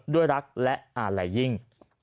ด้วยรักและอาลัยยิ่ง